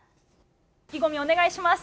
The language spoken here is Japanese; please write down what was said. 意気込み、お願いします。